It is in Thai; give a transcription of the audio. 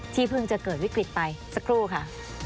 เพิ่งจะเกิดวิกฤตไปสักครู่ค่ะ